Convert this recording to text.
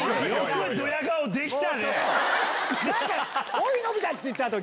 「おぅのび太」って言った後。